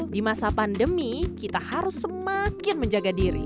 di masa pandemi kita harus semakin menjaga diri